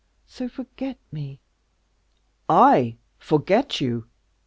So, forget me." "I forget you!"